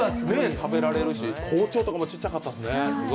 食べられるし、包丁とかもちっちゃかったですね。